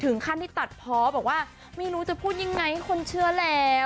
ขั้นที่ตัดเพาะบอกว่าไม่รู้จะพูดยังไงให้คนเชื่อแล้ว